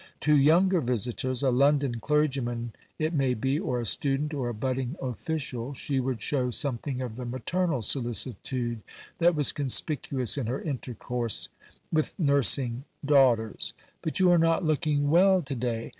To younger visitors a London clergyman, it may be, or a student, or a budding official she would show something of the maternal solicitude that was conspicuous in her intercourse with nursing "daughters." "But you are not looking well to day.